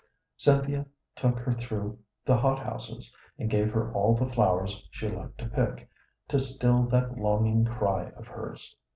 Cynthia took her through the hot houses and gave her all the flowers she liked to pick, to still that longing cry of hers.